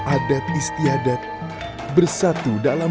adat istiadat bersatu dalam